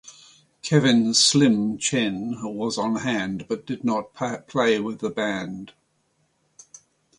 Kevin "Slim" Chen was on hand but did not play with the band.